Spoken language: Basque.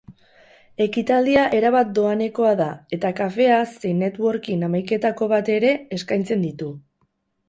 Ekitaldia erabat doanekoa da eta kafea zein networking hamaiketako bat ere eskaintzen ditu.